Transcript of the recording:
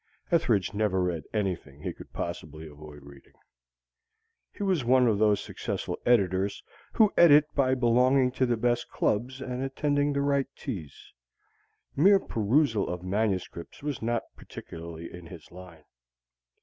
Ethridge never read anything he could possibly avoid reading. He was one of those successful editors who edit by belonging to the best clubs and attending the right teas. Mere perusal of manuscripts was not particularly in his line.